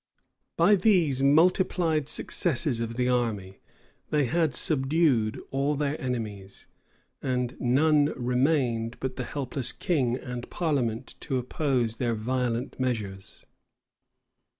[*]* Whitlocke. By these multiplied successes of the army, they had subdued all their enemies; and none remained but the helpless king and parliament to oppose their violent measures.